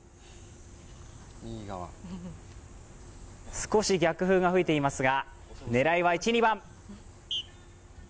少し逆風が吹いていますが、狙いは１・２番。